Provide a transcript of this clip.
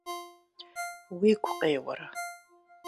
– Уигу къеуэрэ?